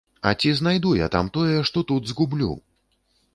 А ці знайду я там тое, што тут згублю?